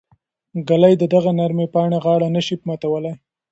ږلۍ د دغې نرمې پاڼې غاړه نه شي ماتولی.